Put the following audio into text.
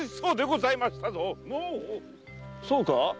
そうか？